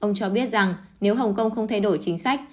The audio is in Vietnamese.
ông cho biết rằng nếu hồng kông không thay đổi chính sách